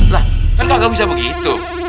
lah kan gak bisa begitu